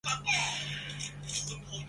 这间啤酒馆位于圣日耳曼大道上。